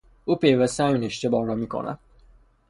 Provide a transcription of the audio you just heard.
او پیوسته همین اشتباه را میکند.